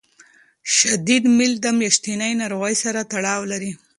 شدید میل د میاشتنۍ ناروغۍ سره تړاو لري.